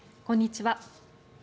こんにちは。